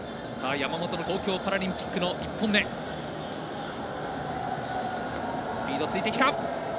山本の東京パラリンピックの１本目スピードがついてきた！